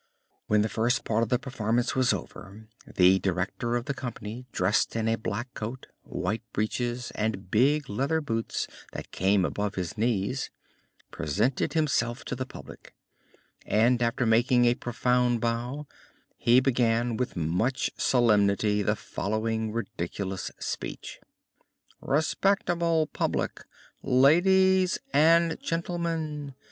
When the first part of the performance was over, the director of the company, dressed in a black coat, white breeches, and big leather boots that came above his knees, presented himself to the public, and, after making a profound bow, he began with much solemnity the following ridiculous speech: "Respectable public, ladies and gentlemen!